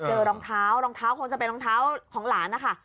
รองเท้ารองเท้าคงจะเป็นรองเท้าของหลานนะคะ